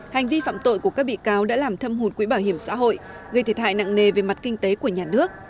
hành vi phạm tội của các bị cáo đã làm thâm hụt quỹ bảo hiểm xã hội gây thiệt hại nặng nề về mặt kinh tế của nhà nước